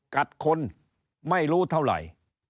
กัดคนไม่รู้เท่าไหร่